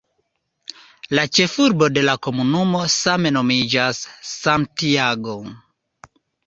La ĉefurbo de la komunumo same nomiĝas "Santiago".